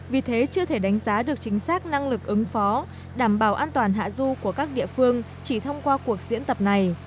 vì thế chưa thể đánh giá được chính xác năng lực ứng phó đảm bảo an toàn hạ du của các địa phương chỉ thông qua cuộc diễn tập này